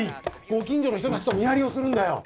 ご近所の人たちと見張りをするんだよ。